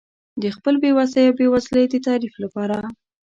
د خپل بې وسۍ او بېوزلۍ د تعریف لپاره.